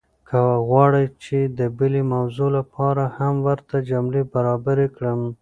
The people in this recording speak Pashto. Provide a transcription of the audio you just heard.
ایا غواړئ چې د بلې موضوع لپاره هم ورته جملې برابرې کړم؟